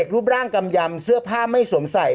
โอเคโอเคโอเคโอเค